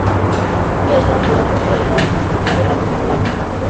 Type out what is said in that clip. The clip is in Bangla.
কে জানিত শশীকে যাদব এমন করিয়া বকিতে পারেন!